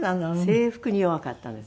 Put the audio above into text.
制服に弱かったんですね。